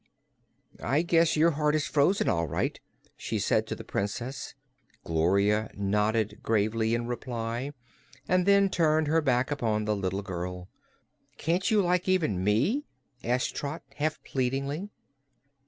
"I guess your heart is frozen, all right," she said to the Princess. Gloria nodded gravely, in reply, and then turned her back upon the little girl. "Can't you like even me?" asked Trot, half pleadingly.